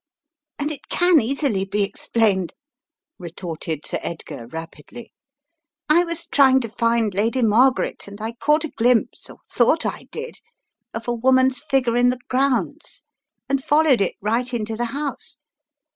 "And it can easily be explained," retorted Sir Edgar, rapidly. "I was trying to find Lady Mar garet, and I caught a glimpse, or thought I did, of a woman's figure in the grounds and followed it right into the house.